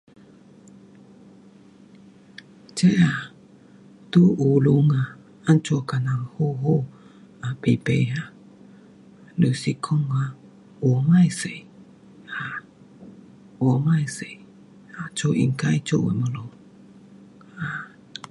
这啊，在学堂啊，怎样跟人好好，啊，排排啊，就是讲啊，话别多，um 话别多，um 做应该做的东西。啊